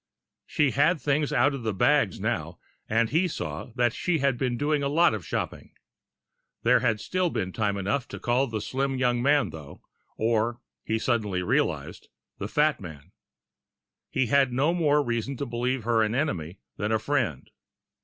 She had things out of the bags now, and he saw that she had been doing a lot of shopping. There had still been time enough to call the slim young man, though or, he suddenly realized, the fat man. He had no more reason to believe her an enemy than a friend.